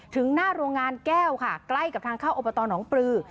ถึงหน้าโรงงานแก้วค่ะใกล้กับทางเข้าอบตหนองปลือ